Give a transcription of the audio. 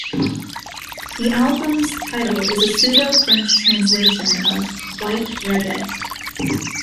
The album's title is a pseudo-French translation of "white reggae".